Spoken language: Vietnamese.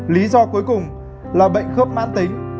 lý do cuối cùng là bệnh khớp man tính